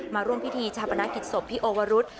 มาร่วมพิธีชาปนกิจศพพี่โอวรุษ